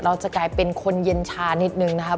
เราจะกลายเป็นคนเย็นชานิดนึงนะครับ